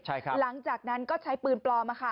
หลังจากนั้นก็ใช้ปืนปลอมมาค่ะ